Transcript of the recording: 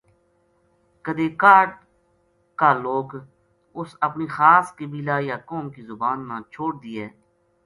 کَدے کاہڈ کالوک اُس اپنی خاص قبیلہ یا قوم کی زبان نا چھو ڈ دیے